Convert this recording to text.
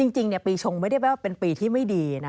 จริงปีชงไม่ได้แปลว่าเป็นปีที่ไม่ดีนะ